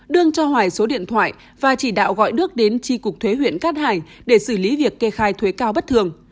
đương cho hoài số điện thoại và chỉ đạo gọi nước đến tri cục thuế huyện cát hải để xử lý việc kê khai thuế cao bất thường